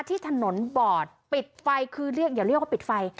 ที่ถนนบอดปิดไฟคือเรียกอย่าเรียกว่าปิดไฟ